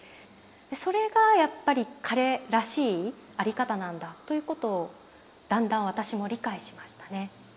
それがやっぱり彼らしい在り方なんだということをだんだん私も理解しましたね。